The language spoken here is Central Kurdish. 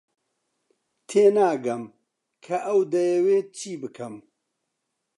تێناگەم کە ئەو دەیەوێت چی بکەم.